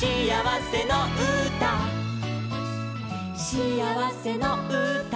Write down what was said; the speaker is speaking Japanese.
「しあわせのうた」